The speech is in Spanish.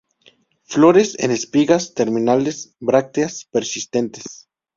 Flores en espigas terminales; brácteas persistentes.